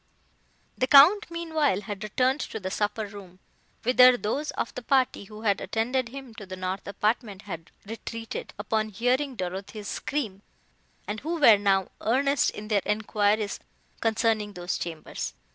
The Count, meanwhile, had returned to the supper room, whither those of the party who had attended him to the north apartment had retreated, upon hearing Dorothée's scream, and who were now earnest in their enquiries concerning those chambers.